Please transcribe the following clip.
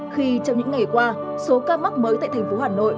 khi trong những ngày qua số ca mắc mới tại thành phố hà nội